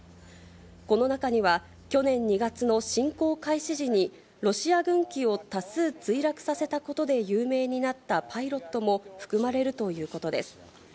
この中には、去年２月の侵攻開始時にロシア軍機を多数墜落させたことで有名になったパイロットも含まれるということです。